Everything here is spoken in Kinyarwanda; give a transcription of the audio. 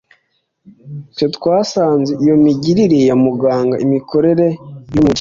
Twe twasanze iyo migirire yamungaga imikorerere y’umujyi